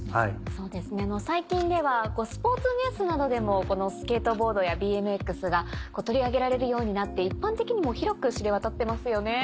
そうですね最近ではスポーツニュースなどでもスケートボードやＢＭＸが取り上げられるようになって一般的にも広く知れ渡ってますよね。